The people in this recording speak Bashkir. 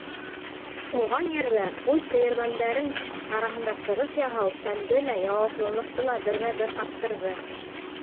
Тыуған ерҙә, үҙ көйәрмәндәрең араһында сығыш яһау сәмде лә, яуаплылыҡты ла бермә-бер арттырҙы.